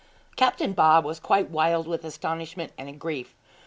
Captain Bob was quite wild with astonishment and grief.